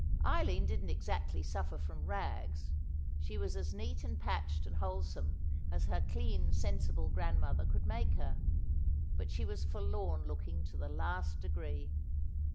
Eileen didn't exactly suffer from rags. She was as neat and patched and wholesome as her clean, sensible grandmother could make her; but she was forlorn looking to the last degree.